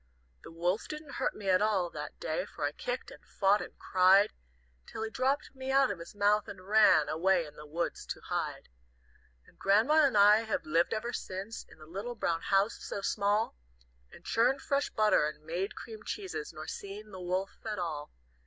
"The wolf didn't hurt me at all that day, For I kicked and fought and cried, Till he dropped me out of his mouth, and ran Away in the woods to hide. "And Grandma and I have lived ever since In the little brown house so small, And churned fresh butter and made cream cheeses, Nor seen the wolf at all.